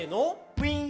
「ウィン！」